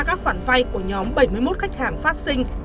các khoản vay của nhóm bảy mươi một khách hàng phát sinh